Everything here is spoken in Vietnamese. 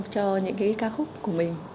cho những cái ca khúc của mình